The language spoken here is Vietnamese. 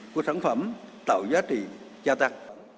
cơ sản phẩm tạo giá trị gia tăng